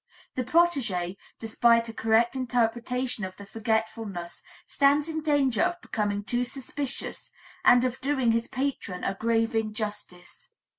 The protegé, despite a correct interpretation of the forgetfulness, stands in danger of becoming too suspicious, and of doing his patron a grave injustice.